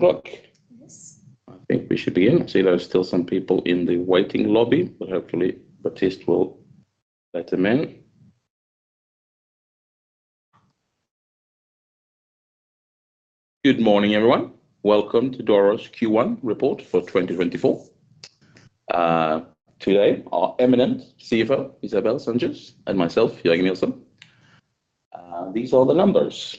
1 o'clock? Yes. I think we should begin. I see there are still some people in the waiting lobby, but hopefully Baptiste will let them in. Good morning, everyone. Welcome to Doro's Q1 report for 2024. Today our eminent CFO, Isabelle Sengès, and myself, Jörgen Nilsson. These are the numbers.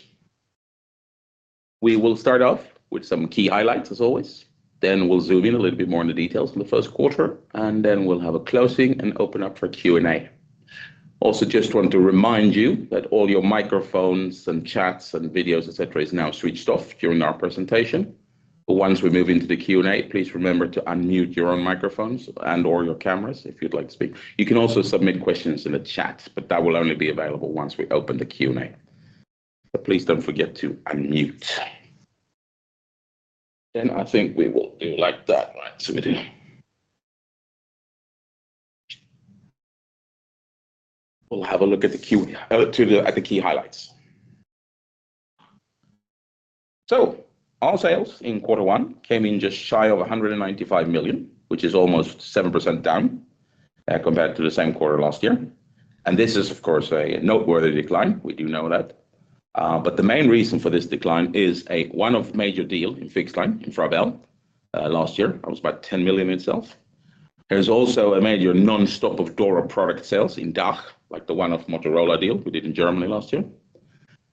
We will start off with some key highlights, as always. Then we'll zoom in a little bit more on the details of the first quarter, and then we'll have a closing and open up for Q&A. Also, just want to remind you that all your microphones and chats and videos, etc., is now switched off during our presentation. But once we move into the Q&A, please remember to unmute your own microphones and/or your cameras if you'd like to speak. You can also submit questions in the chat, but that will only be available once we open the Q&A. So please don't forget to unmute. Then I think we will do like that, right? So we do. We'll have a look at the Q&A to the key highlights. So our sales in Q1 came in just shy of 195 million, which is almost 7% down, compared to the same quarter last year. And this is, of course, a noteworthy decline. We do know that. But the main reason for this decline is a one-off major deal in fixed line in FraBel. Last year, it was about 10 million itself. There's also a major nonstop of Doro product sales in DACH, like the one-off Motorola deal we did in Germany last year.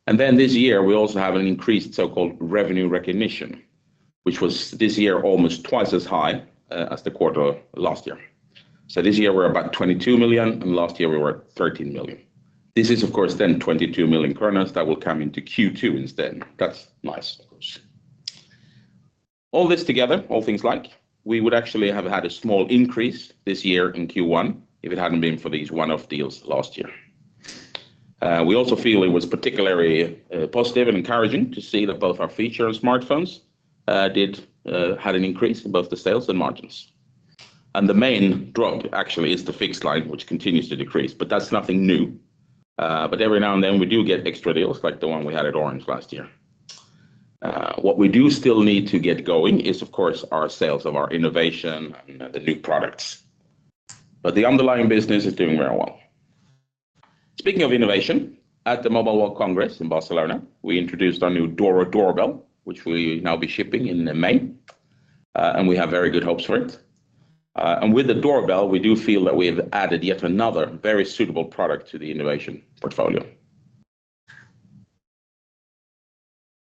And then this year, we also have an increased so-called revenue recognition, which was this year almost twice as high, as the quarter last year. So this year we're about 22 million, and last year we were at 13 million. This is, of course, then 22 million kronor that will come into Q2 instead. That's nice, of course. All this together, all things like, we would actually have had a small increase this year in Q1 if it hadn't been for these one-off deals last year. We also feel it was particularly positive and encouraging to see that both our feature and smartphones had an increase in both the sales and margins. And the main drag, actually, is the fixed line, which continues to decrease, but that's nothing new. But every now and then we do get extra deals, like the one we had at Orange last year. What we do still need to get going is, of course, our sales of our innovation and the new products. But the underlying business is doing very well. Speaking of innovation, at the Mobile World Congress in Barcelona, we introduced our new Doro Doorbell, which we now be shipping in May. And we have very good hopes for it. And with the Doorbell, we do feel that we have added yet another very suitable product to the innovation portfolio.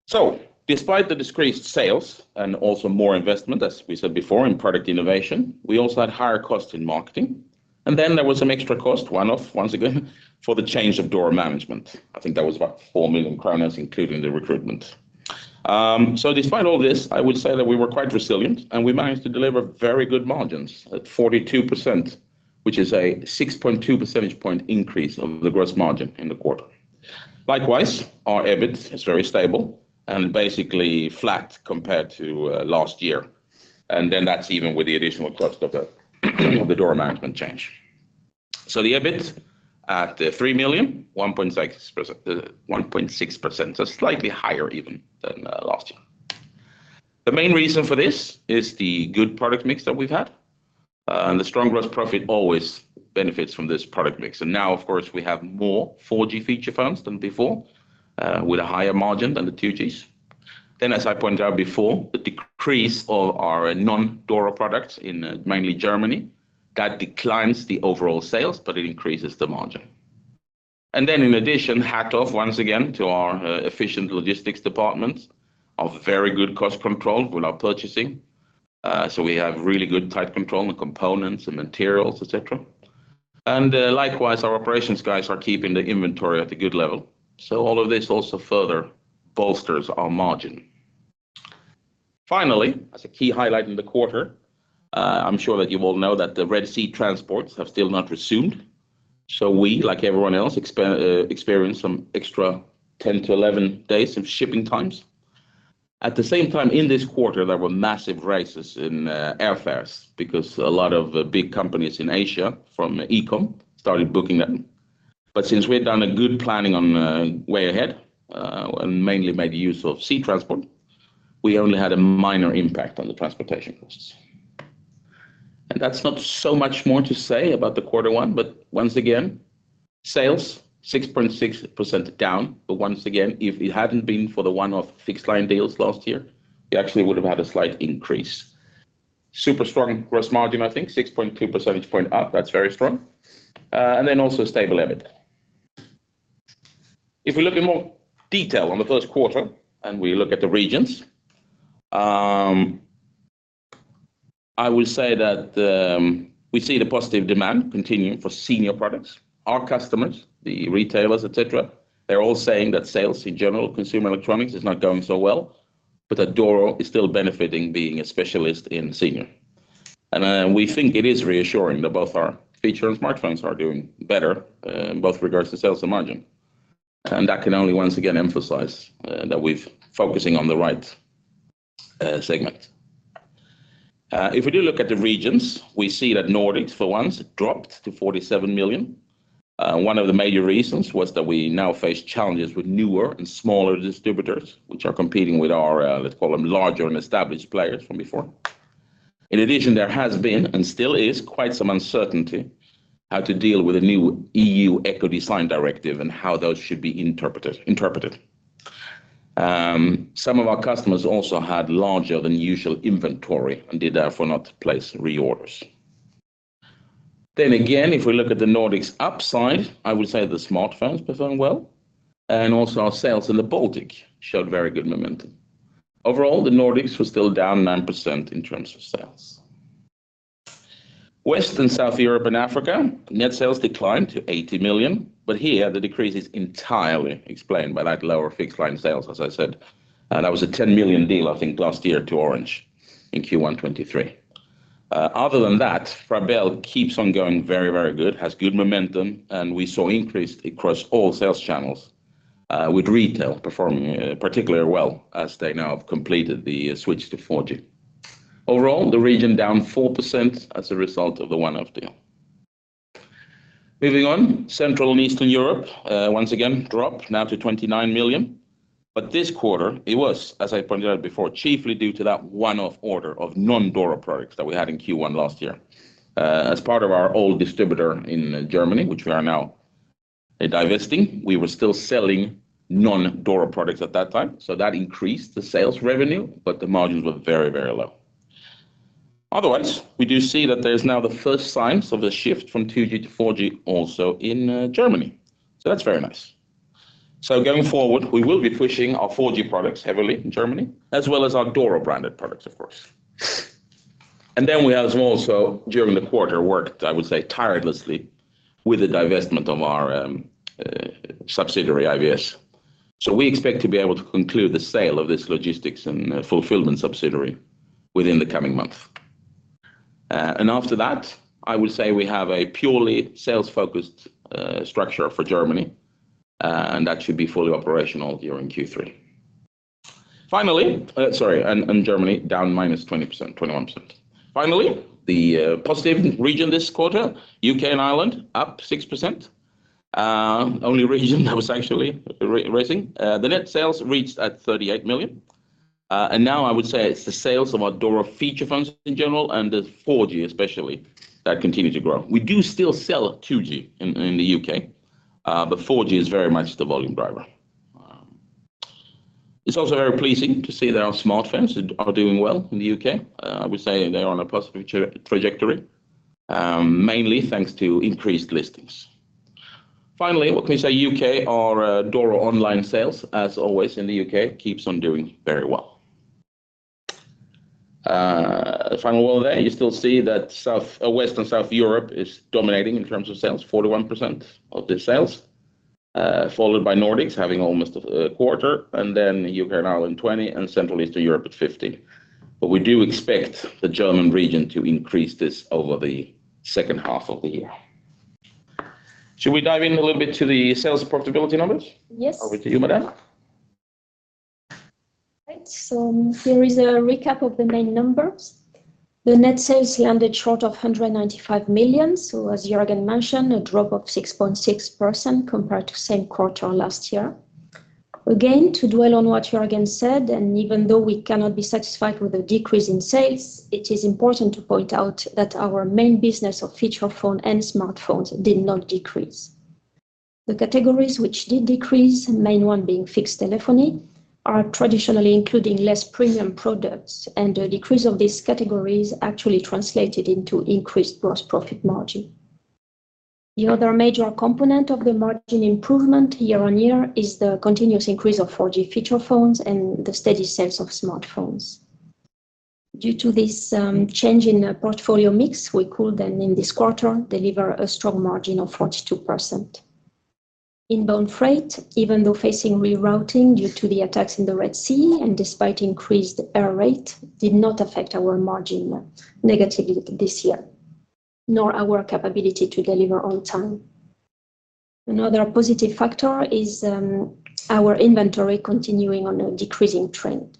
So despite the decreased sales and also more investment, as we said before, in product innovation, we also had higher costs in marketing. And then there was some extra cost, one-off once again, for the change of Door management. I think that was about 4 million kronor, including the recruitment. So despite all this, I would say that we were quite resilient, and we managed to deliver very good margins at 42%, which is a 6.2 percentage point increase of the gross margin in the quarter. Likewise, our EBIT is very stable and basically flat compared to last year. And then that's even with the additional cost of the Doro management change. So the EBIT at 3 million, 1.6%, 1.6%, so slightly higher even than last year. The main reason for this is the good product mix that we've had. And the strong gross profit always benefits from this product mix. And now, of course, we have more 4G feature phones than before, with a higher margin than the 2Gs. Then, as I pointed out before, the decrease of our non-Doro products in mainly Germany, that declines the overall sales, but it increases the margin. And then in addition, hats off once again to our efficient logistics departments of very good cost control with our purchasing. So we have really good tight control on components and materials, etc. Likewise, our operations guys are keeping the inventory at a good level. So all of this also further bolsters our margin. Finally, as a key highlight in the quarter, I'm sure that you all know that the Red Sea transports have still not resumed. So we, like everyone else, experienced some extra 10-11 days of shipping times. At the same time, in this quarter, there were massive raises in airfares because a lot of big companies in Asia from e-comm started booking them. But since we had done a good planning way ahead, and mainly made use of sea transport, we only had a minor impact on the transportation costs. And that's not so much more to say about the Q1, but once again, sales 6.6% down. But once again, if it hadn't been for the one-off fixed line deals last year, we actually would have had a slight increase. Super strong gross margin, I think, 6.2 percentage point up. That's very strong. And then also stable EBIT. If we look in more detail on the first quarter and we look at the regions, I would say that we see the positive demand continuing for senior products. Our customers, the retailers, etc., they're all saying that sales in general consumer electronics is not going so well, but that Doro is still benefiting being a specialist in senior. And we think it is reassuring that both our feature and smartphones are doing better, both in regards to sales and margin. And that can only once again emphasize that we've focusing on the right segment. If we do look at the regions, we see that Nordics, for once, dropped to 47 million. One of the major reasons was that we now face challenges with newer and smaller distributors, which are competing with our, let's call them larger and established players from before. In addition, there has been and still is quite some uncertainty how to deal with a new EU Ecodesign Directive and how those should be interpreted. Some of our customers also had larger than usual inventory and did therefore not place reorders. Then again, if we look at the Nordics upside, I would say the smartphones performed well, and also our sales in the Baltics showed very good momentum. Overall, the Nordics were still down 9% in terms of sales. West and South Europe and Africa, net sales declined to 80 million, but here the decrease is entirely explained by that lower fixed line sales, as I said. That was a 10 million deal, I think, last year to Orange in Q1 2023. Other than that, FraBel keeps on going very, very good, has good momentum, and we saw increase across all sales channels, with retail performing particularly well as they now have completed the switch to 4G. Overall, the region down 4% as a result of the one-off deal. Moving on, Central and Eastern Europe, once again drop now to 29 million. But this quarter, it was, as I pointed out before, chiefly due to that one-off order of non-Doro products that we had in Q1 2023. As part of our old distributor in Germany, which we are now divesting, we were still selling non-Doro products at that time. So that increased the sales revenue, but the margins were very, very low. Otherwise, we do see that there's now the first signs of a shift from 2G to 4G also in Germany. So that's very nice. So going forward, it will be pushing our 4G products heavily in Germany, as well as our Doro branded products, of course. And then we have also during the quarter worked, I would say, tirelessly with the divestment of our subsidiary IVS. So we expect to be able to conclude the sale of this logistics and fulfillment subsidiary within the coming month. And after that, I would say we have a purely sales-focused structure for Germany, and that should be fully operational during Q3. Finally, Germany down -20%-21%. Finally, the positive region this quarter, UK and Ireland up 6%, only region that was actually rising. The net sales reached 38 million. And now I would say it's the sales of our Doro feature phones in general and the 4G especially that continue to grow. We do still sell 2G in the UK, but 4G is very much the volume driver. It's also very pleasing to see that our smartphones are doing well in the UK. I would say they are on a positive trajectory, mainly thanks to increased listings. Finally, what can we say? UK, our Doro online sales, as always in the UK, keeps on doing very well. Final one there. You still see that West and South Europe is dominating in terms of sales, 41% of the sales, followed by Nordics having almost a quarter, and then UK and Ireland 20% and Central and Eastern Europe at 15%. But we do expect the German region to increase this over the second half of the year. Should we dive in a little bit to the sales profitability numbers? Yes. Over to you, Madame. Right. So here is a recap of the main numbers. The net sales landed short of 195 million. So, as Jörgen mentioned, a drop of 6.6% compared to same quarter last year. Again, to dwell on what Jörgen said, and even though we cannot be satisfied with a decrease in sales, it is important to point out that our main business of feature phone and smartphones did not decrease. The categories which did decrease, main one being fixed telephony, are traditionally including less premium products, and the decrease of these categories actually translated into increased gross profit margin. The other major component of the margin improvement year-on-year is the continuous increase of 4G feature phones and the steady sales of smartphones. Due to this change in portfolio mix, we could then in this quarter deliver a strong margin of 42%. Inbound freight, even though facing rerouting due to the attacks in the Red Sea and despite increased air rate, did not affect our margin negatively this year, nor our capability to deliver on time. Another positive factor is our inventory continuing on a decreasing trend.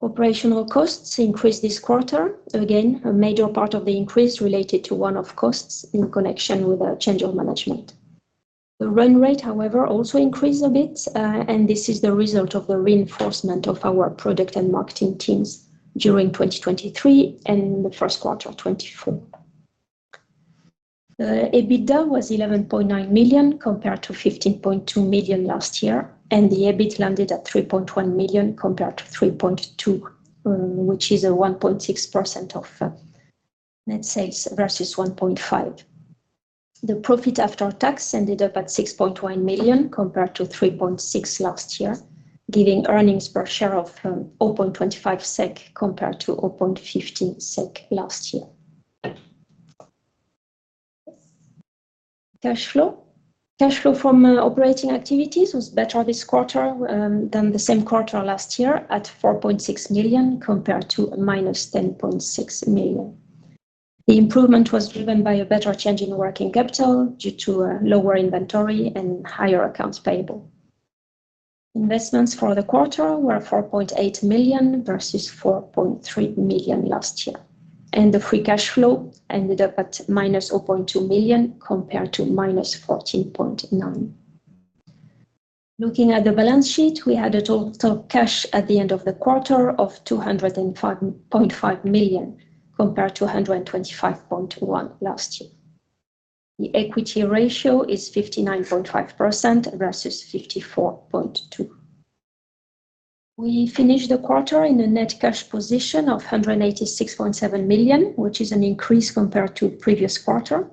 Operational costs increased this quarter. Again, a major part of the increase related to one-off costs in connection with change of management. The run rate, however, also increased a bit, and this is the result of the reinforcement of our product and marketing teams during 2023 and the first quarter 2024. The EBITDA was 11.9 million compared to 15.2 million last year, and the EBIT landed at 3.1 million compared to 3.2 million, which is 1.6% of net sales versus 1.5%. The profit after tax ended up at 6.1 million compared to 3.6 million last year, giving earnings per share of 0.25 SEK compared to 0.15 SEK last year. Cash flow from operating activities was better this quarter than the same quarter last year at 4.6 million compared to minus 10.6 million. The improvement was driven by a better change in working capital due to lower inventory and higher accounts payable. Investments for the quarter were 4.8 million versus 4.3 million last year, and the free cash flow ended up at minus 0.2 million compared to minus 14.9 million. Looking at the balance sheet, we had a total cash at the end of the quarter of 205.5 million compared to 125.1 million last year. The equity ratio is 59.5% versus 54.2%. We finished the quarter in a net cash position of 186.7 million, which is an increase compared to previous quarter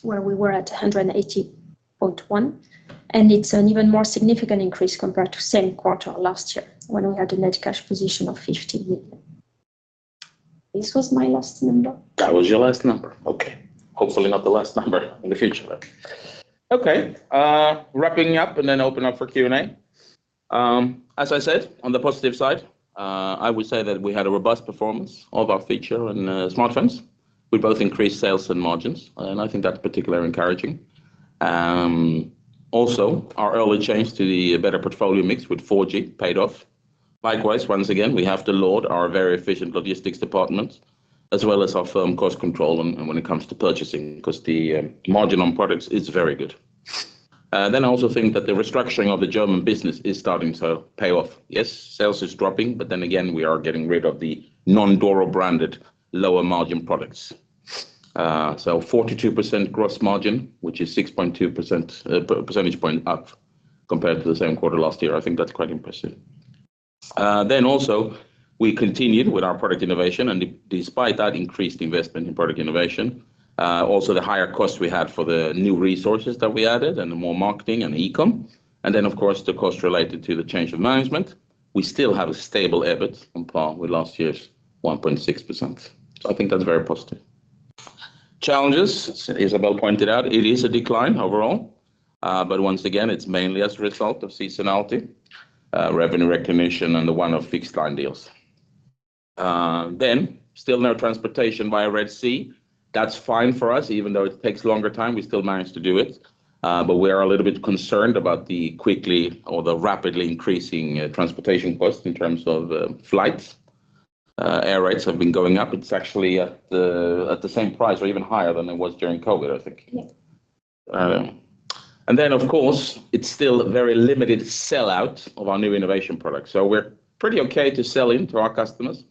where we were at 180.1 million, and it's an even more significant increase compared to same quarter last year when we had a net cash position of 50 million. This was my last number. That was your last number. Okay. Hopefully, not the last number in the future, though. Okay. Wrapping up and then open up for Q&A. As I said, on the positive side, I would say that we had a robust performance of our feature phones and smartphones. We both increased sales and margins, and I think that's particularly encouraging. Also, our early change to the better portfolio mix with 4G paid off. Likewise, once again, we have to laud our very efficient logistics departments as well as our firm cost control and and when it comes to purchasing because the margin on products is very good. Then I also think that the restructuring of the German business is starting to pay off. Yes, sales is dropping, but then again, we are getting rid of the non-Doro branded lower margin products. So 42% gross margin, which is 6.2 percentage point up compared to the same quarter last year. I think that's quite impressive. Then also, we continued with our product innovation, and despite that increased investment in product innovation, also the higher costs we had for the new resources that we added and the more marketing and e-comm. And then, of course, the cost related to the change of management. We still have a stable EBIT on par with last year's 1.6%. So I think that's very positive. Challenges, as Isabelle pointed out, it is a decline overall, but once again, it's mainly as a result of seasonality, revenue recognition, and the one-off fixed line deals. Then still no transportation via Red Sea. That's fine for us. Even though it takes longer time, we still managed to do it. But we are a little bit concerned about the quickly or the rapidly increasing transportation costs in terms of flights. Air rates have been going up. It's actually at the same price or even higher than it was during COVID, I think. Yeah. And then, of course, it's still a very limited sellout of our new innovation products. So we're pretty okay to sell into our customers,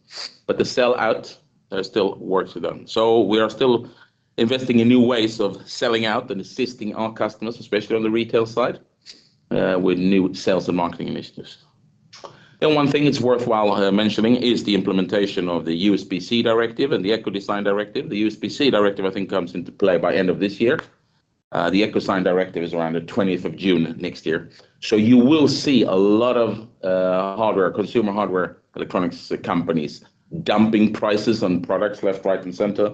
but the sellout still works with them. So we are still investing in new ways of selling out and assisting our customers, especially on the retail side, with new sales and marketing initiatives. Then one thing it's worthwhile mentioning is the implementation of the USB-C Directive and the Ecodesign Directive. The USB-C Directive, I think, comes into play by end of this year. The Ecodesign Directive is around the 20th of June next year. So you will see a lot of hardware, consumer hardware electronics companies dumping prices on products left, right, and center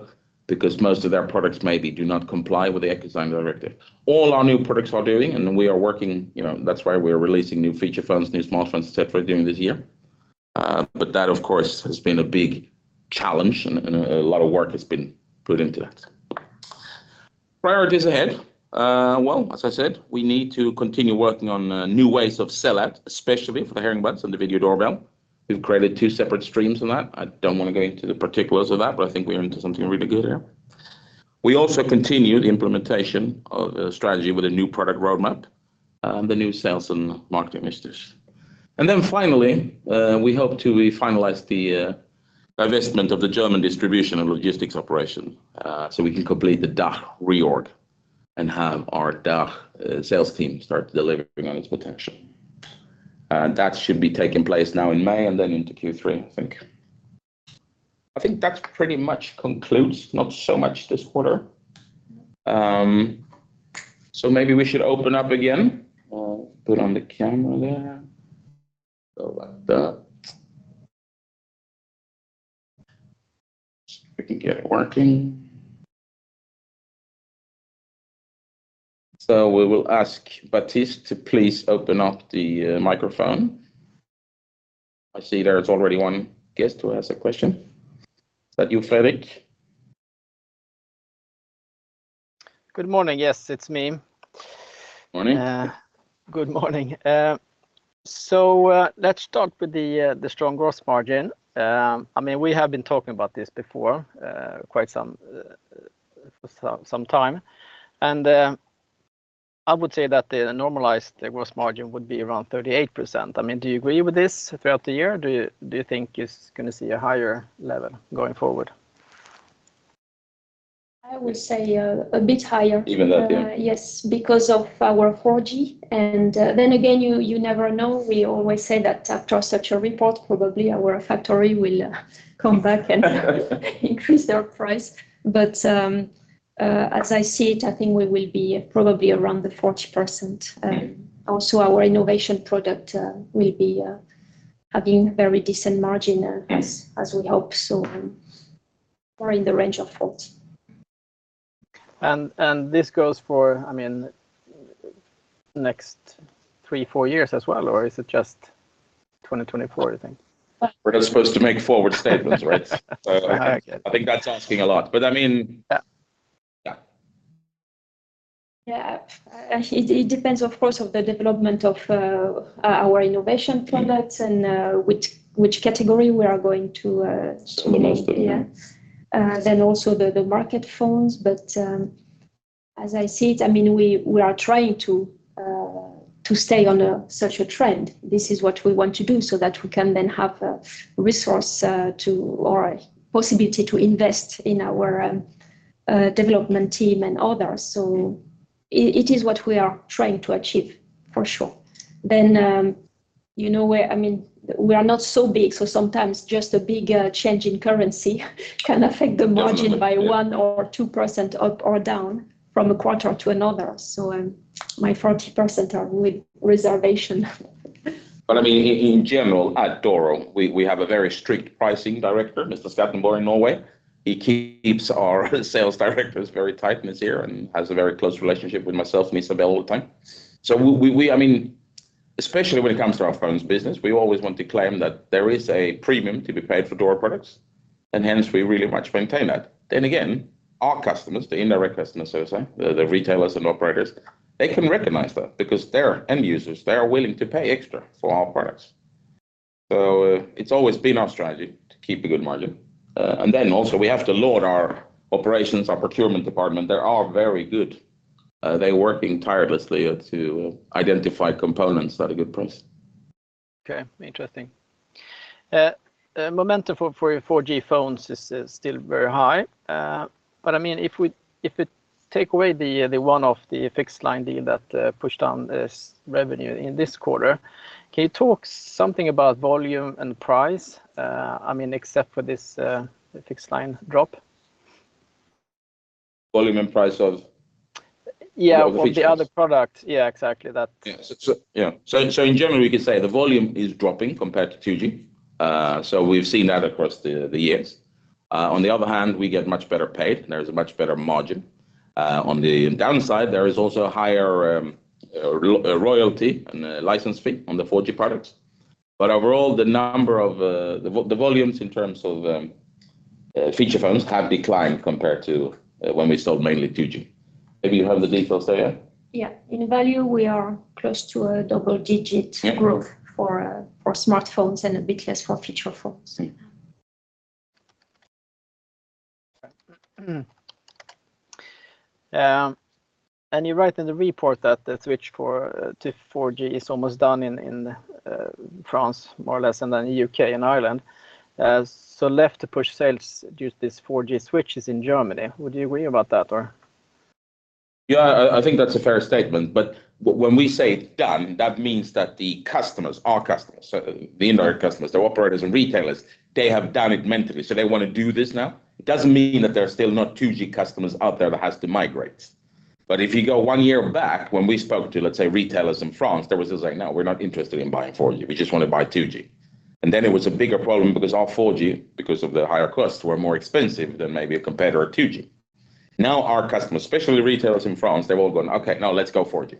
because most of their products maybe do not comply with the Ecodesign Directive. All our new products are doing, and we are working, you know, that's why we are releasing new feature phones, new smartphones, etc., during this year. But that, of course, has been a big challenge, and a lot of work has been put into that. Priorities ahead. Well, as I said, we need to continue working on new ways of sellout, especially for the HearingBuds and the video doorbell. We've created two separate streams on that. I don't want to go into the particulars of that, but I think we're into something really good here. We also continue the implementation of a strategy with a new product roadmap, the new sales and marketing initiatives. And then finally, we hope to finalize the divestment of the German distribution and logistics operation, so we can complete the DACH reorg and have our DACH sales team start delivering on its potential. that should be taking place now in May and then into Q3, I think. I think that pretty much concludes, not so much this quarter. So maybe we should open up again. Put on the camera there. Go like that. We can get it working. So we will ask Baptiste to please open up the microphone. I see there's already one guest who has a question. Is that you, Fredrik? Good morning. Yes, it's me. Morning. Good morning. So, let's start with the strong gross margin. I mean, we have been talking about this before, quite some time. I would say that the normalized gross margin would be around 38%. I mean, do you agree with this throughout the year? Do you think it's going to see a higher level going forward? I would say a bit higher. Even that, yeah. Yes, because of our 4G. And then again, you, you never know. We always say that after such a report, probably our factory will come back and increase their price. But, as I see it, I think we will be probably around the 40%. Also, our innovation product will be having very decent margin, as, as we hope. So, we're in the range of 40%. This goes for, I mean, next 3-4 years as well, or is it just 2024, do you think? We're not supposed to make forward statements, right? So I think that's asking a lot. But I mean. Yeah. Yeah. Yeah. It depends, of course, on the development of our innovation products and which category we are going to, The most of them. Yeah. Then also the mobile phones. But, as I see it, I mean, we are trying to stay on such a trend. This is what we want to do so that we can then have a resource or a possibility to invest in our development team and others. So it is what we are trying to achieve, for sure. Then, you know, I mean, we are not so big, so sometimes just a big change in currency can affect the margin by 1% or 2% up or down from a quarter to another. So, my 40% are with reservation. But I mean, in general, at Doro, we have a very strict pricing director, Mr. Skattenborg in Norway. He keeps our sales directors very tight, Ms. Here, and has a very close relationship with myself and Isabelle all the time. So I mean, especially when it comes to our phones business, we always want to claim that there is a premium to be paid for Doro products, and hence, we really much maintain that. Then again, our customers, the indirect customers, so to say, the retailers and operators, they can recognize that because they're end users. They are willing to pay extra for our products. So, it's always been our strategy to keep a good margin. And then also, we have to laud our operations, our procurement department. They are very good. They're working tirelessly to identify components at a good price. Okay. Interesting momentum for your 4G phones is still very high. But I mean, if we take away the one-off, the fixed line deal that pushed down this revenue in this quarter, can you talk something about volume and price, I mean, except for this fixed line drop? Volume and price of. Yeah. Of the features. Or the other product. Yeah, exactly. That. Yeah. So in general, we can say the volume is dropping compared to 2G. So we've seen that across the years. On the other hand, we get much better paid, and there is a much better margin. On the downside, there is also a higher royalty and license fee on the 4G products. But overall, the number of the volumes in terms of feature phones have declined compared to when we sold mainly 2G. Maybe you have the details there, yeah? Yeah. In value, we are close to a double-digit growth. Yeah. For smartphones and a bit less for feature phones. Yeah. And you write in the report that the switch for to 4G is almost done in France more or less and then the UK and Ireland. So left to push sales due to this 4G switch is in Germany. Would you agree about that, or? Yeah. I think that's a fair statement. But when we say done, that means that the customers, our customers, the indirect customers, the operators, and retailers, they have done it mentally, so they want to do this now. It doesn't mean that there are still not 2G customers out there that have to migrate. But if you go one year back, when we spoke to, let's say, retailers in France, there was this like, "No, we're not interested in buying 4G. We just want to buy 2G." And then it was a bigger problem because our 4G, because of the higher costs, were more expensive than maybe a competitor 2G. Now our customers, especially retailers in France, they've all gone, "Okay. No, let's go 4G."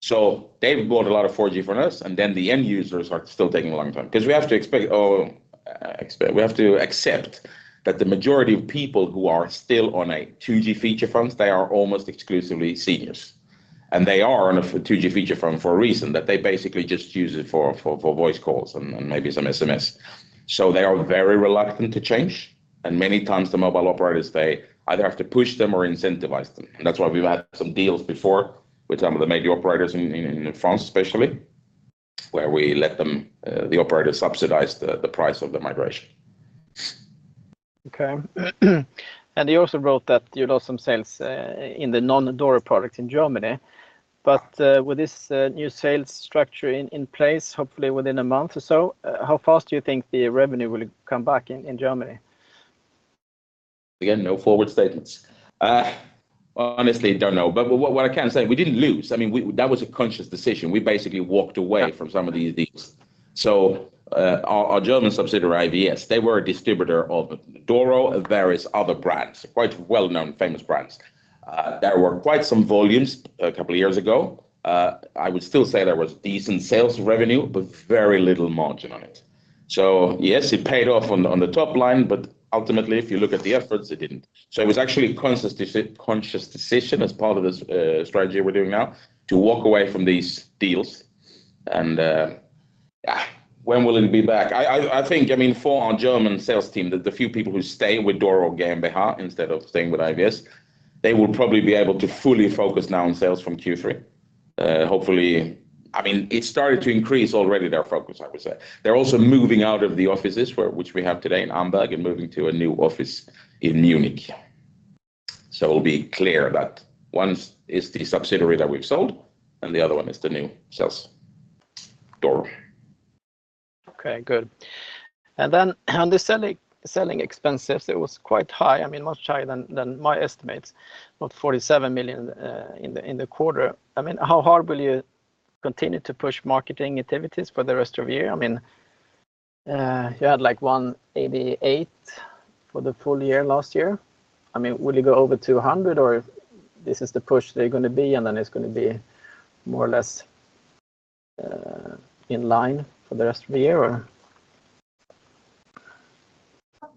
So they've bought a lot of 4G from us, and then the end users are still taking a long time because we have to expect, expect we have to accept that the majority of people who are still on a 2G feature phones, they are almost exclusively seniors. And they are on a 2G feature phone for a reason, that they basically just use it for voice calls and maybe some SMS. So they are very reluctant to change. And many times, the mobile operators, they either have to push them or incentivize them. And that's why we've had some deals before with some of the major operators in France, especially, where we let them, the operator subsidize the price of the migration. Okay. You also wrote that you lost some sales in the non-Doro products in Germany. But with this new sales structure in place, hopefully within a month or so, how fast do you think the revenue will come back in Germany? Again, no forward statements. Honestly, I don't know. But what I can say, we didn't lose. I mean, we, that was a conscious decision. We basically walked away from some of these. So, our German subsidiary, IVS, they were a distributor of Doro and various other brands, quite well-known, famous brands. There were quite some volumes, a couple of years ago. I would still say there was decent sales revenue but very little margin on it. So yes, it paid off on the top line, but ultimately, if you look at the efforts, it didn't. So it was actually a conscious decision as part of this strategy we're doing now to walk away from these deals. And, yeah, when will it be back? I think, I mean, for our German sales team, the few people who stay with Doro GmbH instead of staying with IVS, they will probably be able to fully focus now on sales from Q3. Hopefully I mean, it started to increase already their focus, I would say. They're also moving out of the offices which we have today in Amberg and moving to a new office in Munich. So it'll be clear that one is the subsidiary that we've sold, and the other one is the new sales, Doro. Okay. Good. And then on the selling selling expenses, it was quite high. I mean, much higher than my estimates, about 47 million, in the quarter. I mean, how hard will you continue to push marketing activities for the rest of the year? I mean, you had like 188 for the full year last year. I mean, will you go over 200, or this is the push they're going to be, and then it's going to be more or less, in line for the rest of the year, or?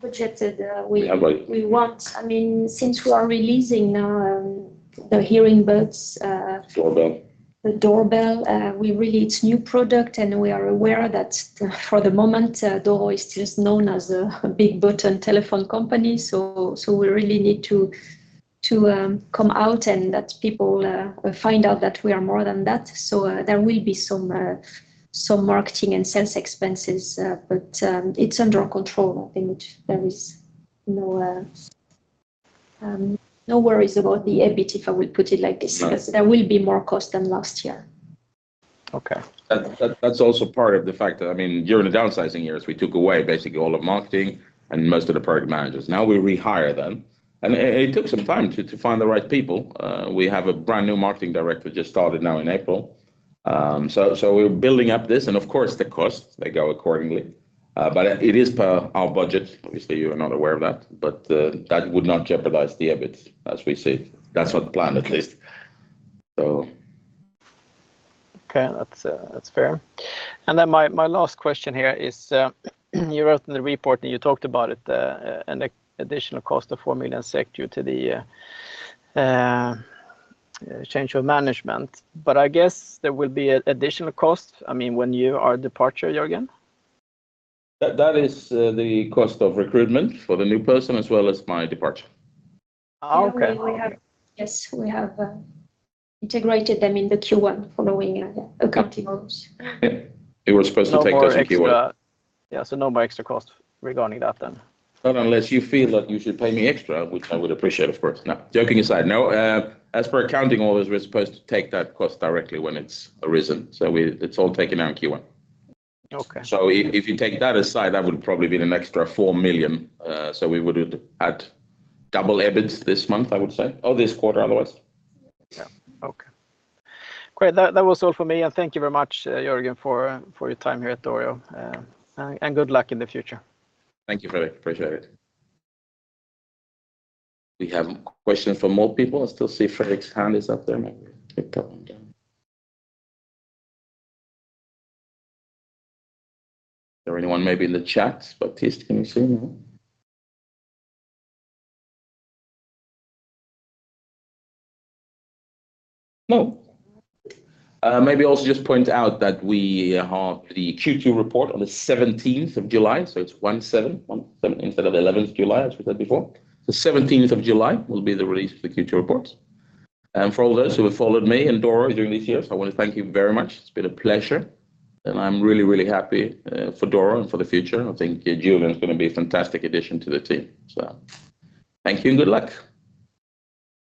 Budgeted, we. Yeah, but. We want, I mean, since we are releasing, the HearingBuds, Doorbell. The doorbell, we release new product, and we are aware that, for the moment, Doro is still known as a big button telephone company. So we really need to come out and that people find out that we are more than that. So there will be some marketing and sales expenses, but it's under our control. I think there is no worries about the EBIT, if I will put it like this. No. Because there will be more cost than last year. Okay. That's also part of the fact. I mean, during the downsizing years, we took away basically all of marketing and most of the product managers. Now we rehire them. And it took some time to find the right people. We have a brand new marketing director just started now in April. So we're building up this. And of course, the costs, they go accordingly. But it is per our budget. Obviously, you are not aware of that. But that would not jeopardize the EBIT as we see it. That's not the plan, at least, so. Okay. That's fair. And then my last question here is, you wrote in the report, and you talked about it, an additional cost of 4 million SEK due to the change of management. But I guess there will be additional cost, I mean, your departure, Jörgen? That is, the cost of recruitment for the new person as well as my departure. Okay. And then we have integrated them in the Q1 following accounting orders. Yeah. It was supposed to take us in Q1. No more extra, yeah, so no more extra cost regarding that then. Not unless you feel that you should pay me extra, which I would appreciate, of course. No, joking aside. No, as per accounting orders, we're supposed to take that cost directly when it's arisen. So it's all taken out in Q1. Okay. So if you take that aside, that would probably be an extra 4 million, so we would add double EBIT this month, I would say, or this quarter otherwise. Yeah. Okay. Great. That was all for me. And thank you very much, Jörgen, for your time here at Doro. And good luck in the future. Thank you, Fredrik. Appreciate it. We have questions for more people. I still see Fredrik's hand is up there, maybe. Is there anyone maybe in the chat, Baptiste, can you see? No? No? Maybe also just point out that we have the Q2 report on the 17th of July. So it's 1/7, 1/7 instead of 11th July, as we said before. The 17th of July will be the release of the Q2 reports. For all those who have followed me and Doro during these years, I want to thank you very much. It's been a pleasure. I'm really, really happy, for Doro and for the future. I think Julian's going to be a fantastic addition to the team, so. Thank you and good luck.